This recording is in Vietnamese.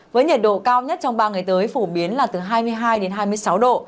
với nhiệt độ cao nhất trong ba ngày tới phổ biến là từ hai mươi hai đến hai mươi sáu độ